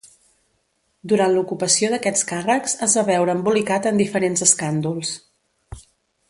Durant l'ocupació d'aquests càrrecs es va veure embolicat en diferents escàndols.